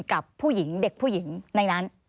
กับผู้หญิงเด็กผู้หญิงในนั้น